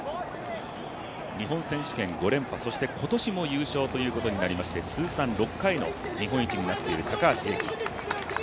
日本選手権５連覇、そして今年も優勝ということになりまして通算６回の日本一になっている高橋英輝。